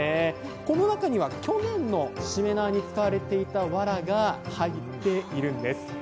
この中には去年のしめ縄に使われていたわらが入っているんです。